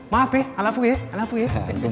maaf ya anak anak ya